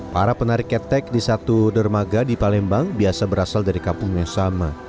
para penarik ketek di satu dermaga di palembang biasa berasal dari kampung yang sama